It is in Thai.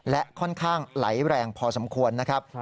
และค่อนข้างไหลแรงพอสมควรนะครับ